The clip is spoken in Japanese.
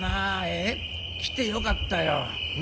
ええ？来てよかったようん。